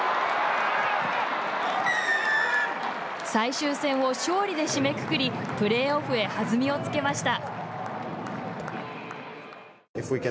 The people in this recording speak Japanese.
最終戦を勝利で締めくくりプレーオフへ弾みをつけました。